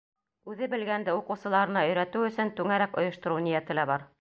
Үҙе белгәнде уҡыусыларына өйрәтеү өсөн түңәрәк ойоштороу ниәте лә бар.